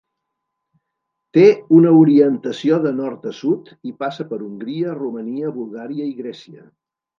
Té una orientació de nord a sud i passa per Hongria, Romania, Bulgària i Grècia.